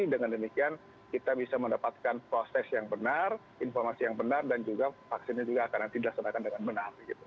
dengan demikian kita bisa mendapatkan proses yang benar informasi yang benar dan juga vaksinnya juga akan nanti dilaksanakan dengan benar